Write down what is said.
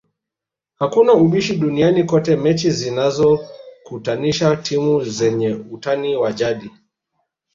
Hakuna ubishi duniani kote mechi zinazokutanisha timu zenye utani wa jadi